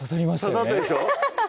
刺さったでしょ